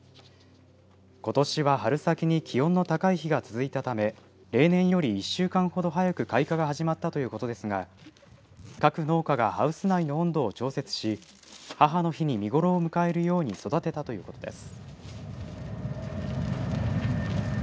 ことしは春先に気温の高い日が続いたため例年より１週間ほど早く開花が始まったということですが各農家がハウス内の温度を調節し母の日に見頃を迎えるように育てたということです。